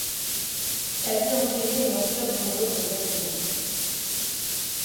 Elle peut infliger une morsure douloureuse aux êtres humains.